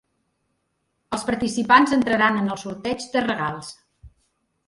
Els participants entraran en el sorteig de regals.